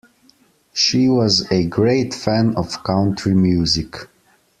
She was a great fan of country music